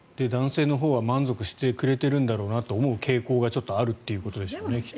男性のほうは満足してくれてるんだなって思う傾向がちょっとあるということでしょうね。